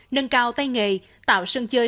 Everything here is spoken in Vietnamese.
nâng cao tài nghề tạo sân chơi